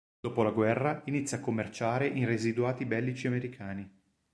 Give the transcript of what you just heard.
Dopo la guerra inizia a commerciare in residuati bellici americani.